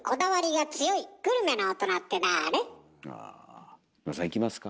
あキムラさんいきますか？